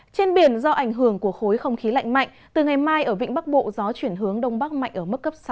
trên biển do ảnh hưởng của khối không khí lạnh mạnh từ ngày mai ở vịnh bắc bộ gió chuyển hướng đông bắc mạnh ở mức cấp sáu